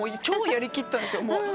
超やりきったんですよ。